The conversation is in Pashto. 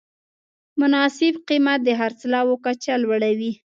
مناسب قیمت د خرڅلاو کچه لوړوي.